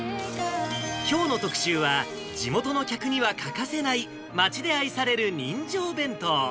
きょうの特集は、地元の客には欠かせない町で愛される人情弁当。